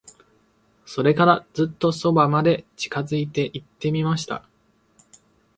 それから、ずっと側まで近づいて行ってみました。